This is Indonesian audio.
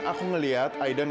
ini apa aida